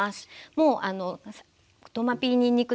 もうトマピーにんにく